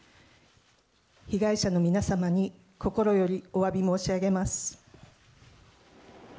被害者の皆様に心よりおわび申し